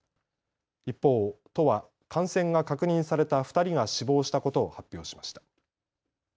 一方、都は感染が確認された２人が死亡したことを発表しました。